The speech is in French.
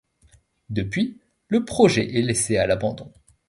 Depuis, le projet est laissé à l'abandon.